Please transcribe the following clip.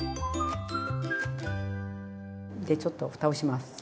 でちょっとふたをします。